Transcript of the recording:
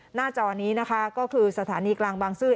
จอนี้นะคะก็คือสถานีกลางบางซื่อ